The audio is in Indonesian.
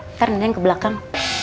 ntar nenek yang ke belakang